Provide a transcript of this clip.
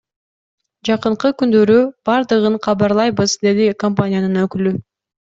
Жакынкы күндөрү бардыгын кабарлайбыз, — деди компаниянын өкүлү.